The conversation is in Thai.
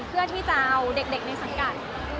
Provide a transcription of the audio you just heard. เพื่อที่จะเอาเด็กในสังกัด